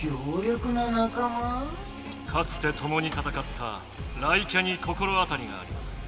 かつてともにたたかった雷キャに心当たりがあります。